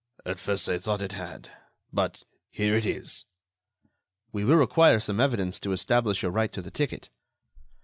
"At first, I thought it had ... but here it is." "We will require some evidence to establish your right to the ticket."